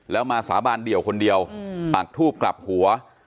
แล้วมาสาบานเดี่ยวคนเดียวปากทูบกลับหัว